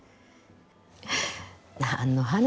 何の話？